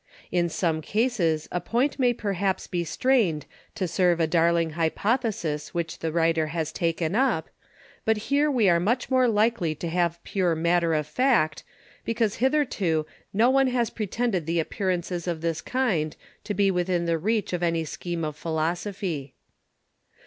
In some Cases a Point may perhaps be strained to serve a darling Hypothesis which the Writer has taken up, but here we are much more likely to have pure Matter of Fact, because hitherto no one has pretended the Appearances of this kind to be within the Reach of any Scheme of Philosophy.